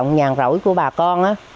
động nhàng rỗi của bà con á